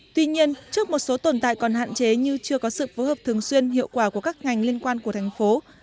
tuy nhiên trước một số tồn tại còn hạn chế như chưa có sự phối hợp thường xuyên hiệu quả của các ngành liên quan của thành phố